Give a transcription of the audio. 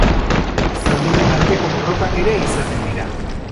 Zaldunen arteko borrokak ere izaten dira.